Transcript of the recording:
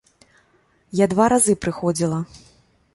Я два разы прыходзіла.